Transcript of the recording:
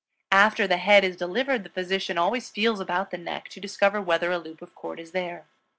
After the head is delivered the physician always feels about the neck to discover whether a loop of cord is there.